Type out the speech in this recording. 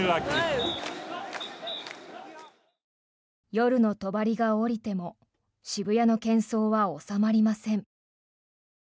夜の帳が下りても渋谷のけん騒は収まりません。